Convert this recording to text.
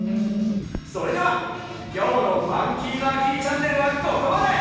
それではきょうの「ファンキーマーキーチャンネル」はここまで！